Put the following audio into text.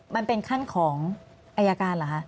มันเป็นขั้นของอายการเหรอคะ